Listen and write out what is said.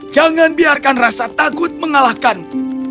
jangan biarkan rasa takut mengalahkanmu